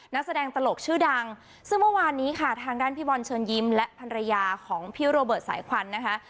นักแสดงตลกชื่อดังซึ่งเมื่อวานนี้ค่ะทางด้านพี่บอลเชิญยิ้มและภรรยาของพี่โรเบิร์ตสายควันนะคะ